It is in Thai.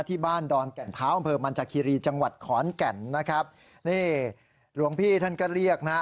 ดอนแก่นเท้าอำเภอมันจากคีรีจังหวัดขอนแก่นนะครับนี่หลวงพี่ท่านก็เรียกนะฮะ